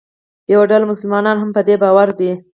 یوه ډله مسلمانان هم په دې باور دي.